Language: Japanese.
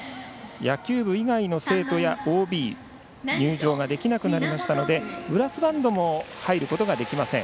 野球部以外の生徒やＯＢは入場ができなくなったのでブラスバンドも入ることができません。